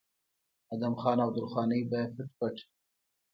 ادم خان او درخانۍ به پټ پټ